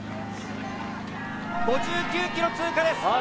５９ｋｍ通過です。